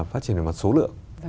phát triển đối mặt số lượng